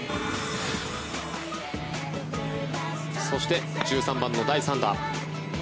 そして、１３番の第３打。